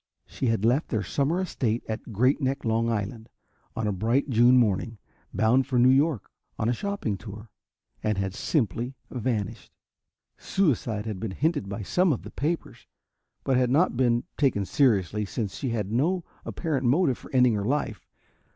She had left their summer estate at Great Neck, Long Island, on a bright June morning, bound for New York on a shopping tour and had simply vanished. Suicide had been hinted by some of the papers, but had not been taken seriously, since she had no apparent motive for ending her life.